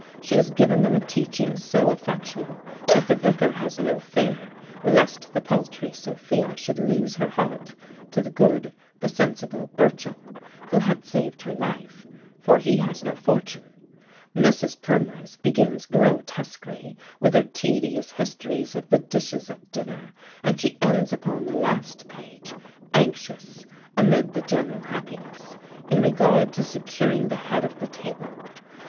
She has given them a teaching so effectual that the Vicar has no fear lest the paltry Sophia should lose her heart to the good, the sensible Burchell, who had saved her life; for he has no fortune. Mrs. Primrose begins grotesquely, with her tedious histories of the dishes at dinner, and she ends upon the last page, anxious, amid the general happiness, in regard to securing the head of the table.